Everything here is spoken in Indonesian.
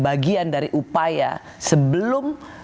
bagian dari upaya sebelum